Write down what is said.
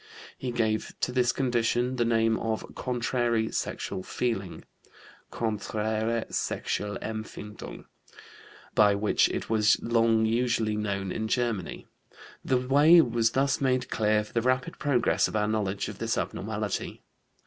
He gave to this condition the name of "contrary sexual feeling" (Konträre Sexualempfindung), by which it was long usually known in Germany. The way was thus made clear for the rapid progress of our knowledge of this abnormality.